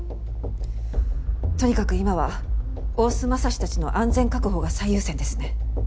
とにかく今は大須匡たちの安全確保が最優先ですね。